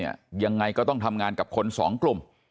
ยังไงก็ต้องทำงานกับคนสองกลุ่ม